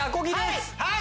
はい！